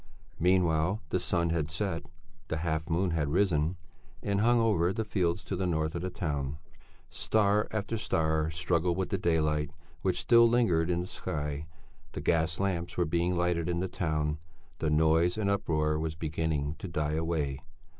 Meanwhile the sun had set; the half moon had risen and hung over the fields to the north of the town. Star after star struggled with the daylight which still lingered in the sky; the gas lamps were being lighted in the town; the noise and uproar was beginning to die away.